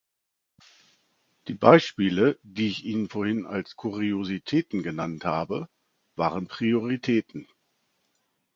Die Beispiele, die ich Ihnen vorhin als Kuriositäten genannt habe, waren Prioritäten.